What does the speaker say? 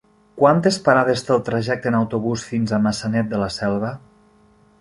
Quantes parades té el trajecte en autobús fins a Maçanet de la Selva?